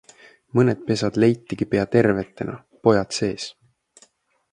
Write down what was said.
Mõned pesad leitigi pea tervetena, pojad sees.